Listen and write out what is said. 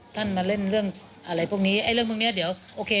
ท่านมาเล่นเรื่องอะไรพวกนี้ไอ้เรื่องพวกเนี้ยเดี๋ยวโอเค